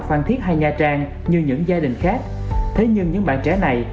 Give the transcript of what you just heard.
phan thiết hay nha trang như những gia đình khác thế nhưng những bạn trẻ này